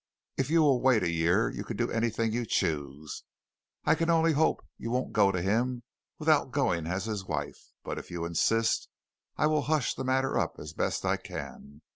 If you will wait a year you can do anything you choose. I can only hope you won't go to him without going as his wife, but if you insist, I will hush the matter up as best I can.